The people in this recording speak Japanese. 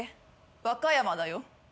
和歌山だよ。